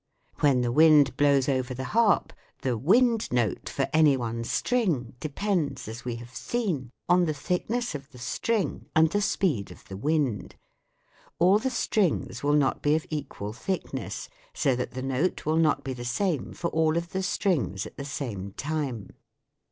When the wind blows over the harp the " wind note " for any one string depends, as we have seen, on the thickness of the string and the speed of the wind. All the strings will not be of equal thickness, so that the note will not be the same for all of the strings at the same time.